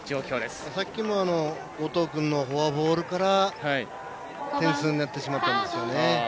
さっきも後藤君のフォアボールから点数になってしまったんですよね。